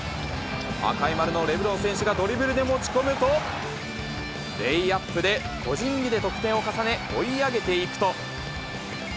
赤い丸のレブロン選手がドリブルで持ち込むと、レイアップで個人技で得点を重ね、追い上げていくと。